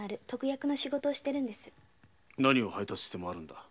何を配達して回るんだ？